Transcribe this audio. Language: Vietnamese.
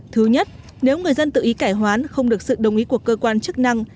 thứ nhất nếu người dân tự ý cải hoán không được sự đồng ý của cơ quan chức năng